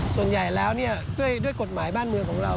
ส่วนใหญ่แล้วด้วยกฎหมายบ้านเมืองของเรา